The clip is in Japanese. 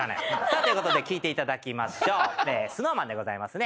さあということで聴いていただきましょう。